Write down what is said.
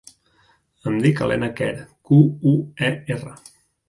Em dic Helena Quer: cu, u, e, erra.